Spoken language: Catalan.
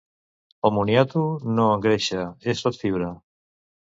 El moniato no engreixa, és tot fibra.